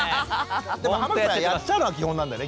でも濱口さん「やっちゃう」のが基本なんだよね。